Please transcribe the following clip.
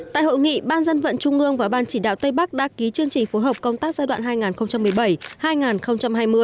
tại hội nghị ban dân vận trung ương và ban chỉ đạo tây bắc đã ký chương trình phối hợp công tác giai đoạn hai nghìn một mươi bảy hai nghìn hai mươi